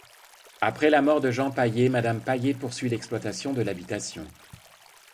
Après la mort de Jean Paillé, Madame Paillé poursuit l'exploitation de l'habitation.